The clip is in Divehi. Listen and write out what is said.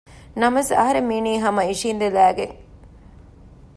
ނަމަވެސް އަހަރެން މީނީ ހަމަ އިށިއިނދެލައިގެން